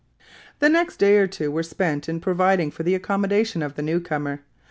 The next day or two were spent in providing for the accommodation of the new comer.